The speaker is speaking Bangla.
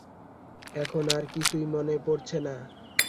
এখন আর কিছুই মনে পড়ছে না।